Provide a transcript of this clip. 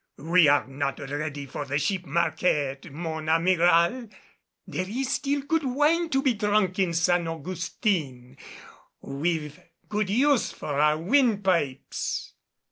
"We are not yet ready for the sheep market, mon Amiral!" "There is still good wine to be drunk in San Augustin, and we've good use for our windpipes."